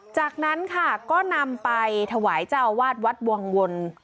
จากนั้นค่ะก็นำไปถวายเจ้าวาฎวัตววัน